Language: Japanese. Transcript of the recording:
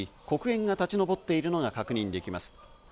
黒煙が立ち上っているのが確認できます。